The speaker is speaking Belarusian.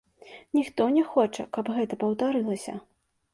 Ніхто не хоча, каб гэта паўтарылася.